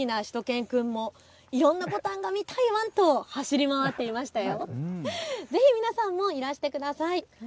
お花大好きなしゅと犬くんもいろんなぼたんが見たいワンと走り回っていましたよ。